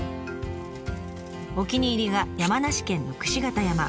お気に入りが山梨県の櫛形山。